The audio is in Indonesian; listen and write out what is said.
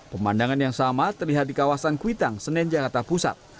pemandangan yang sama terlihat di kawasan kuitang senen jakarta pusat